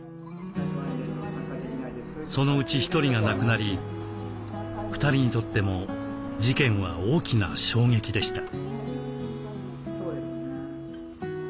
そのうち１人が亡くなり２人にとっても事件は大きな衝撃でした。